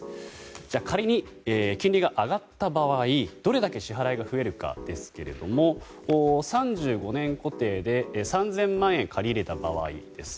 じゃあ、仮に金利が上がった場合どれだけ支払いが増えるかですけれども３５年固定で３０００万円借り入れた場合